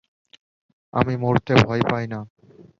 আমি মরতে ভয় পাই না।